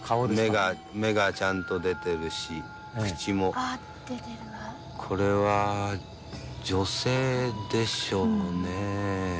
目がちゃんと出てるし、口も、これは女性でしょうね。